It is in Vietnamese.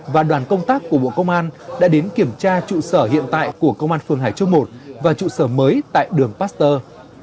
và đoàn công tác của bộ công an đã đến kiểm tra trụ sở hiện tại của công an phường hải châu i và trụ sở mới tại đường pasteur